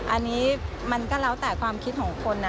อันนี้มันก็แล้วแต่ความคิดของคนนะ